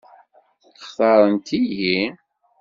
Xtaṛent-iyi?